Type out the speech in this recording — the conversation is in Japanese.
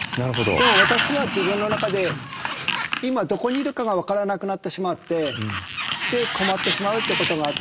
でも私は自分の中で今どこにいるかが分からなくなってしまってで困ってしまうっていうことがあって。